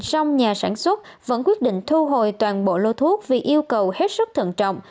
sông nhà sản xuất vẫn quyết định thu hồi toàn bộ lô thuốc vì yêu cầu hết sức thận trọng